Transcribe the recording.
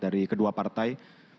dari kedua partai